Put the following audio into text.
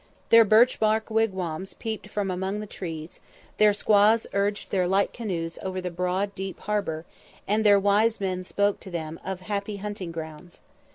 Their birch bark wigwams peeped from among the trees, their squaws urged their light canoes over the broad deep harbour, and their wise men spoke to them of the "happy hunting grounds."